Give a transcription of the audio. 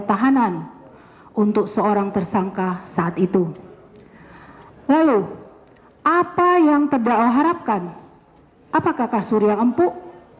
tahanan untuk seorang tersangka saat itu lalu apa yang terdakwa harapkan apakah kasur yang empuk